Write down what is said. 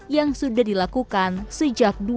yang sudah dilakukan sejak dua ribu dua